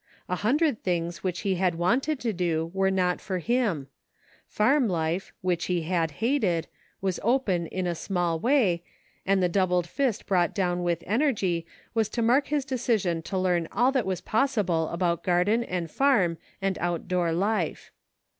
A hundred things which he had wanted to do, were not for hira ; farm life, which he had hated, was open in a small way, and the doubled fist brought dowp. with energy was to mark his decision to learn all that was possible about garden and farm and outdo^rr life.